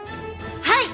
はい！